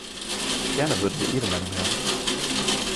Gerne würden wir Ihre Meinung hören.